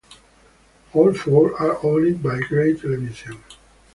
All four are owned by Gray Television.